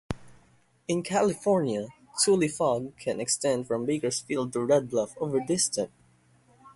In California, tule fog can extend from Bakersfield to Red Bluff, over distant.